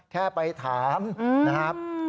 แค่ไปถามนะครับ